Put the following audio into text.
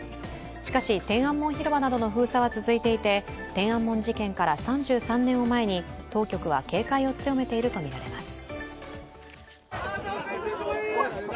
しかし、天安門広場などの封鎖は続いていて天安門事件から３３年を前に、当局は警戒を強めているとみられます。